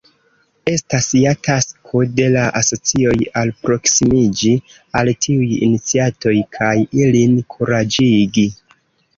Estas ja tasko de la asocioj alproksimiĝi al tiuj iniciatoj kaj ilin kuraĝigi.